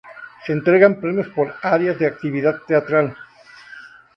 Se entregan premios por áreas de actividad teatral.